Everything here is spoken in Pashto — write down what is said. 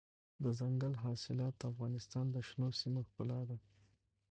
دځنګل حاصلات د افغانستان د شنو سیمو ښکلا ده.